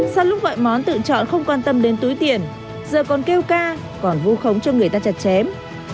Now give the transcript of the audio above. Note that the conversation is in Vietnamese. sau lúc mọi món tự chọn không quan tâm đến túi tiền giờ còn kêu ca còn vu khống cho người ta chặt chém